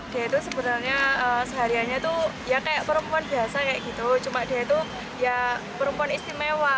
dia itu sebenarnya sehariannya tuh ya kayak perempuan biasa kayak gitu cuma dia itu ya perempuan istimewa